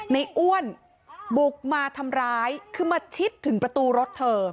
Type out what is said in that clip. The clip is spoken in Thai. อ้วนบุกมาทำร้ายคือมาชิดถึงประตูรถเธอ